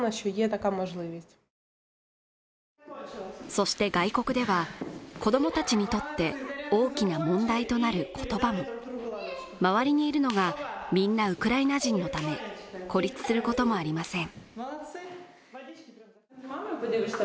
そして外国では子供たちにとって大きな問題となる言葉も周りにいるのがみんなウクライナ人のため孤立することもありません